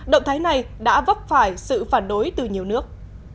động thái này đã vấp phải sự phản đối từ nhiều nước